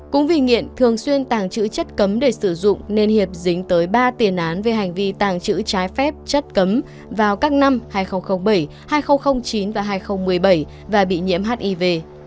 cũng vì nghiện thường xuyên tàng trữ chất cấm để sử dụng nên hiệp dính tới ba tiền án về hành vi tàng trữ trái phép chất cấm vào các năm hai nghìn bảy hai nghìn chín và hai nghìn một mươi bảy và bị nhiễm hiv